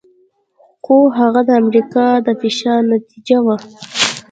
خو هغه د امریکا د فشار نتیجه وه.